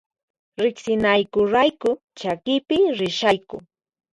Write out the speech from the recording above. Riqsinayku rayku chakipiqa rishayku